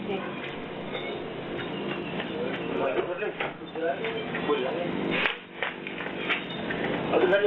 ิงตัวเตือนก็ติดลง